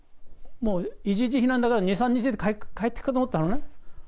もう一時避難だから、２、３日で帰ってくると思ってたのね。